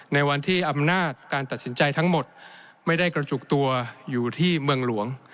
ในวันที่อำนาจการตัดสินใจทั้งหมดไม่ได้กระจุกตัวอยู่ที่เมืองหลวง